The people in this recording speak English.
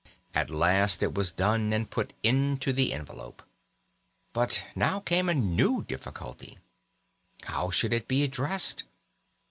At last it was done, and put into the envelope. But now came a new difficulty: How should it be addressed?